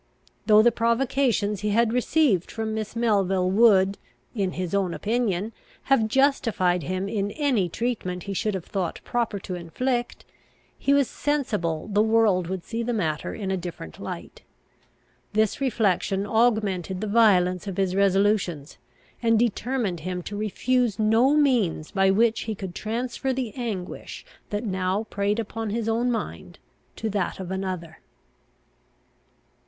Though the provocations he had received from Miss Melville would, in his own opinion, have justified him in any treatment he should have thought proper to inflict, he was sensible the world would see the matter in a different light. This reflection augmented the violence of his resolutions, and determined him to refuse no means by which he could transfer the anguish that now preyed upon his own mind to that of another.